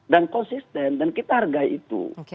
dan konsisten dan kita hargai itu